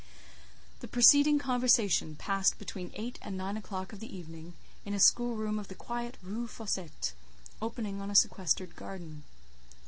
The preceding conversation passed between eight and nine o'clock of the evening, in a schoolroom of the quiet Rue Fossette, opening on a sequestered garden.